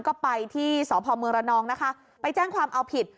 ก็ไปที่สพมระนองไปแจ้งความเอาผิด